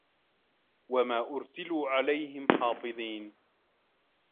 وَما أُرسِلوا عَلَيهِم حافِظينَ